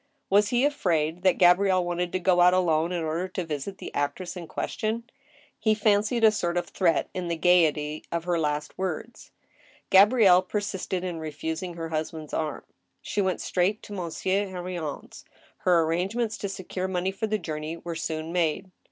Was be afraid that Gabrielle wanted to go out alone in order to visit the actress in question ? He fancied a sort of threat in the gayety of her last words. Gabrielle persisted in refusing her husband's arm. She went straight to Monsieur Henrion's. Her arrangements to secure money for the journey were soon made.